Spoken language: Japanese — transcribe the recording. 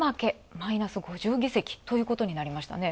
マイナス５０議席ということになりましたね。